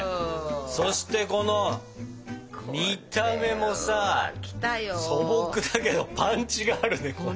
そしてこの見た目もさ素朴だけどパンチがあるねこれ。